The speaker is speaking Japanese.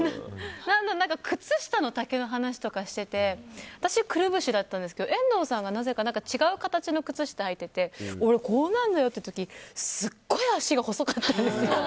靴下の丈の話とかしてて私くるぶしだったんですけど遠藤さんがなぜか違う形の靴下を履いてて俺これなんだよって時すごい脚が細かったんですよ。